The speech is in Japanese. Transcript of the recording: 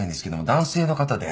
男性の方で。